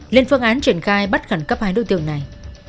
lên phương án triển khai bắt khẩn cấp hai đối tượng này